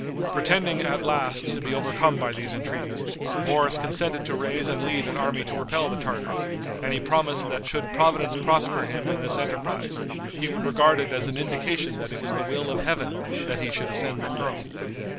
Pretending, at last, to be overcome by these entreaties, Boris consented to raise and lead an army to repel the Tartars, and he promised that should Providence prosper him in this enterprise, he would regard it as an indication that it was the will of Heaven that he should ascend the throne.